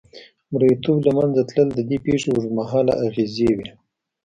مریتوب له منځه تلل د دې پېښې اوږدمهاله اغېزې وې.